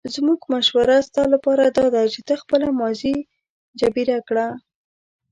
زموږ مشوره ستا لپاره داده چې ته خپله ماضي جبیره کړه.